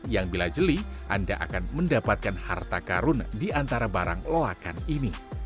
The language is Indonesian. yang bila jeli anda akan mendapatkan harta karun di antara barang loakan ini